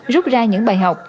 rút ra những bài học